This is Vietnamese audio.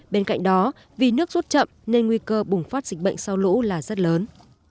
bên cạnh đó vì nước rút chậm nên nguy cơ bùng phát dịch bệnh sau lũ là rất lớn